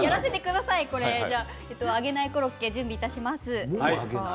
揚げないコロッケ準備します。